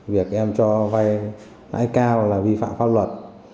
việc em cho vay lãi cao là vi phạm pháp luật